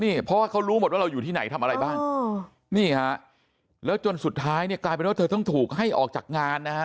นี่เพราะว่าเขารู้หมดว่าเราอยู่ที่ไหนทำอะไรบ้างนี่ฮะแล้วจนสุดท้ายเนี่ยกลายเป็นว่าเธอต้องถูกให้ออกจากงานนะฮะ